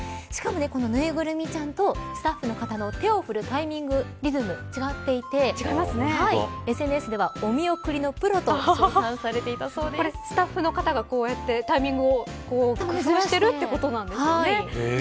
しかもこのぬいぐるみちゃんとスタッフの方が手を振るタイミング、リズム違っていてＳＮＳではお見送りのプロとスタッフの方がタイミングをずらしているということなんですよね。